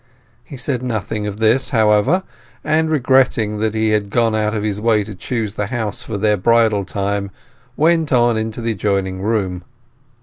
He said nothing of this, however, and, regretting that he had gone out of his way to choose the house for their bridal time, went on into the adjoining room.